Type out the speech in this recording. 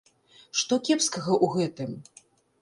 Што кепскага ў гэтым?